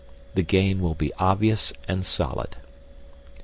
The gain will be obvious and solid.